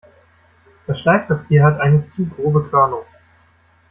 Das Schleifpapier hat eine zu grobe Körnung.